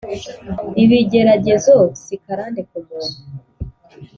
Ibigeragezo sikarande kumuntu